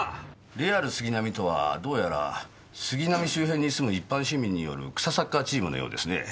レアル・スギナミとはどうやら杉並周辺に住む一般市民による草サッカーチームのようですね。